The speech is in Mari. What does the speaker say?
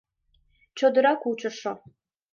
Чодыра кучышо